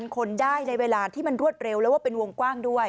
คนได้ในเวลาที่มันรวดเร็วแล้วว่าเป็นวงกว้างด้วย